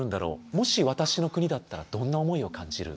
もし私の国だったらどんな思いを感じる？